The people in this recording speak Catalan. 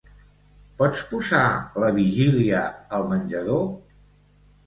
Pots posar "La vigília" al menjador?